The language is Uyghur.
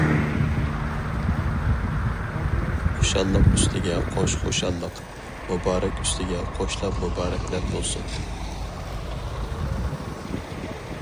خۇشاللىق ئۈستىگە قوش خۇشاللىق، مۇبارەك ئۈستىگە قوشلاپ مۇبارەكلەر بولسۇن!